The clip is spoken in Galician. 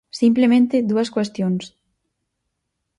Simplemente dúas cuestións.